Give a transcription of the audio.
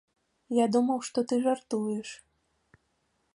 Я думаў, што ты жартуеш.